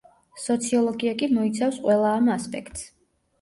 სოციოლოგია კი მოიცავს ყველა ამ ასპექტს.